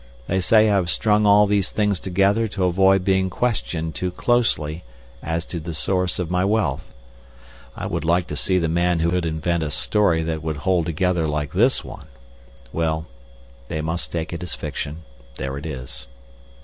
They say I have strung all these things together to avoid being questioned too closely as to the source of my wealth. I would like to see the man who could invent a story that would hold together like this one. Well, they must take it as fiction—there it is.